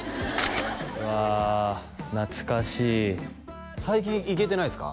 うわ懐かしい最近行けてないですか？